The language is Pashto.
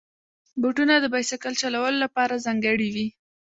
بوټونه د بایسکل چلولو لپاره ځانګړي وي.